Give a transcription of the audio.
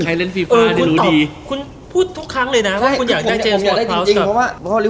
ใครเล่นฟรีฟ้าเรียนรู้ดี